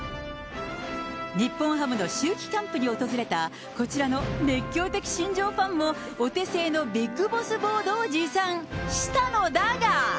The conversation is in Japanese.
日本ハムの秋季キャンプに訪れた、こちらの熱狂的新庄ファンも、お手製のビッグボスボードを持参、したのだが。